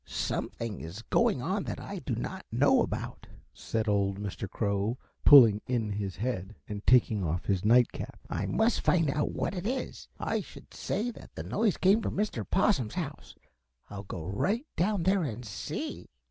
"Something is going on that I do not know about," said old Mr. Crow, pulling in his head and taking off his night cap. "I must find out what it is. I should say that the noise came from Mr. Possum's house. I'll go right down there and see."